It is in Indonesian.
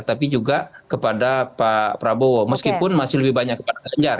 tapi juga kepada pak prabowo meskipun masih lebih banyak kepada ganjar